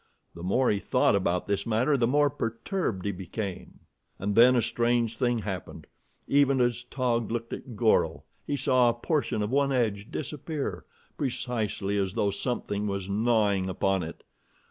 The more he thought about this matter the more perturbed he became. And then a strange thing happened. Even as Taug looked at Goro, he saw a portion of one edge disappear, precisely as though something was gnawing upon it.